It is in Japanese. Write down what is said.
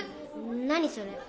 何それ？